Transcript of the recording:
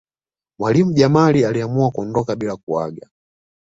mwalimu jamali aliamua kuondoka bila kuaga